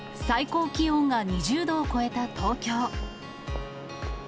最高気温が２０度を超えた東京。